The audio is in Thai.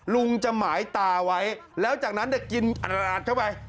ลุงจะหมายตาไว้แล้วจากนั้นกินอัดเข้าไป